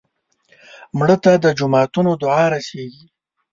مړه ته د جوماتونو دعا رسېږي